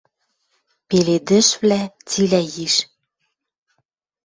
Пеледӹшвлӓ цилӓ йиш.